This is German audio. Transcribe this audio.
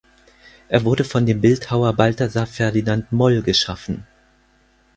Er wurde von dem Bildhauer Balthasar Ferdinand Moll geschaffen.